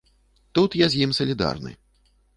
Тут я з ім салідарны.